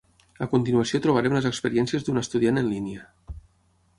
A continuació trobarem les experiències d'un estudiant en línia.